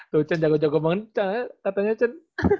tuh cen jago jago banget katanya cen